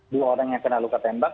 dua orang yang kena luka tembak